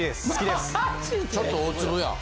ちょっと大粒やん。